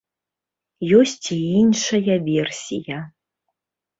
Ёсць і іншая версія.